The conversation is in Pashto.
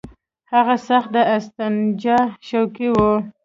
هغه سخت د استنجا شوقي وو.